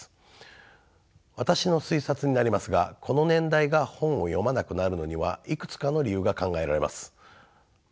私の推察になりますがこの年代が本を読まなくなるのにはいくつかの理由が考えられます。